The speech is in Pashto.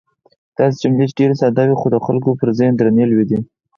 داسې جملې چې ډېرې ساده وې، خو د خلکو پر ذهن درنې لوېدې.